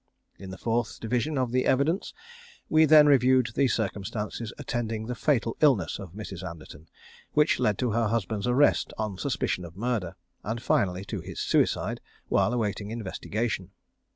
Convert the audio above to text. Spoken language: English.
In the fourth division of the evidence we then reviewed the circumstances attending the fatal illness of Mrs. Anderton, which led to her husband's arrest on suspicion of murder, and finally to his suicide, while awaiting investigation.